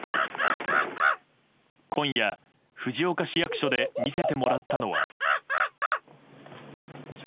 今夜、藤岡市役所で見せてもらったのは。